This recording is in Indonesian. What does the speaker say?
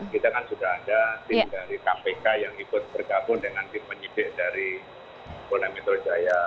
kita kan sudah ada tim dari kpk yang ikut bergabung dengan tim penyidik dari polda metro jaya